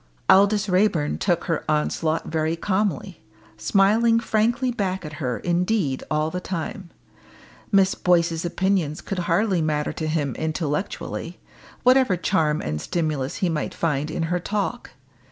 Aldous Raeburn took her onslaught very calmly, smiling frankly back at her indeed all the time. Miss Boyce's opinions could hardly matter to him intellectually, whatever charm and stimulus he might find in her talk.